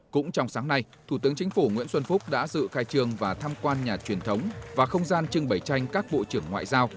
cũng trong sáng nay thủ tướng chính phủ nguyễn xuân phúc đã dự khai trường và tham quan nhà truyền thống và không gian trưng bày tranh các bộ trưởng ngoại giao